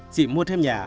chị mua thêm nhà